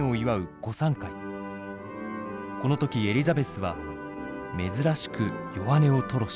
この時エリザベスは珍しく弱音を吐露した。